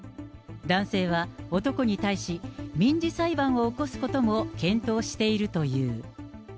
男性は男に対し、民事裁判を起こすことも検討しているという。